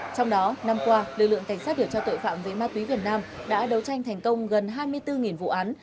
trong đó năm qua lực lượng cảnh sát điều tra tội phạm về ma túy việt nam đã đấu tranh thành công gần hai mươi bốn vụ án